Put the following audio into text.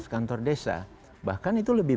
kantor desa bahkan itu lebih